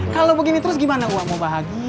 kalau begini terus gimana wah mau bahagia